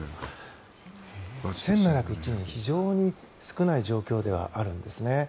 非常に少ない状況ではあるんですね。